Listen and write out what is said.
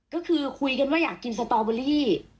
ก็คือคุยกันว่าอยากกินสตอเบอรี่